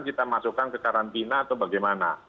kita masukkan ke karantina atau bagaimana